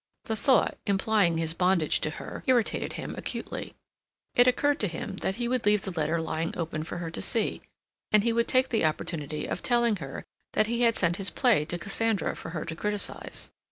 The thought, implying his bondage to her, irritated him acutely. It occurred to him that he would leave the letter lying open for her to see, and he would take the opportunity of telling her that he had sent his play to Cassandra for her to criticize.